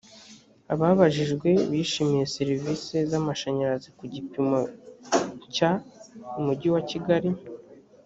abababajijwe bishimiye serivisi z amashyanyarazi ku gipimo cya umujyi wa kigali